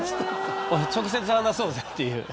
直接話そうぜっていう。